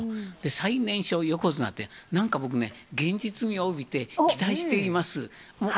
最年少横綱って、なんか僕ね、現実味を帯びて、期待しています。